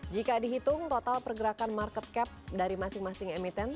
jika dihitung total pergerakan market cap dari masing masing emiten